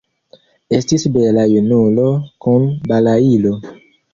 Estis bela junulo kun balailo.